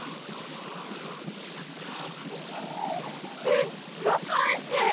すっごくおいしい！